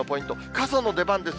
傘の出番です。